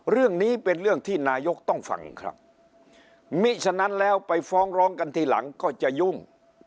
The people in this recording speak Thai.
เรื่องนี้เป็นเรื่องที่นายกต้องฟังครับมิฉะนั้นแล้วไปฟ้องร้องกันทีหลังก็จะยุ่ง